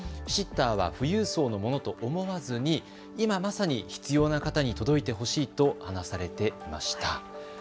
シッターは富裕層のものと思わずに今、まさに必要な方に届いてほしいと話されていました。